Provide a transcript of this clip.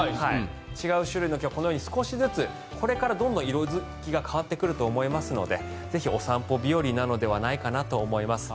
違う種類の木が少しずつこれから色付きが変わってくると思いますのでぜひお散歩日和なのではないかなと思います。